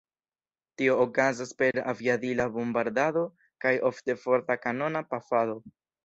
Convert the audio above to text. Tio okazas per aviadila bombardado kaj ofte forta kanona pafado.